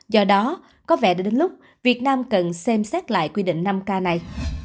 do đó có vẻ đến lúc việt nam cần xem xét lại quy định năm k này